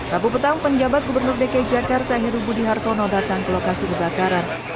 rabu petang penjabat gubernur dki jakarta heru budi hartono datang ke lokasi kebakaran